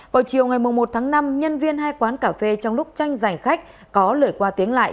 vào chiều ngày một tháng năm nhân viên hai quán cà phê trong lúc tranh giành khách có lời qua tiếng lại